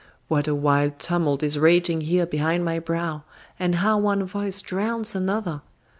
What a wild tumult is raging here behind my brow, and how one voice drowns another!